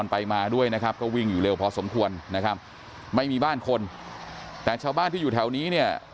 ไปมาด้วยนะครับก็วิ่งอยู่เร็วพอสมควรนะครับไม่มีบ้านคนแต่ชาวบ้านที่อยู่แถวนี้เนี่ย